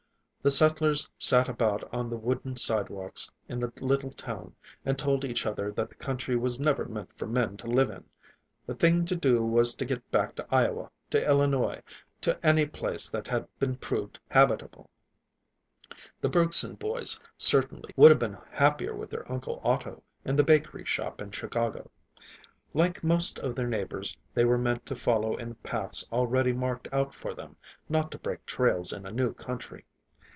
The settlers sat about on the wooden sidewalks in the little town and told each other that the country was never meant for men to live in; the thing to do was to get back to Iowa, to Illinois, to any place that had been proved habitable. The Bergson boys, certainly, would have been happier with their uncle Otto, in the bakery shop in Chicago. Like most of their neighbors, they were meant to follow in paths already marked out for them, not to break trails in a new country.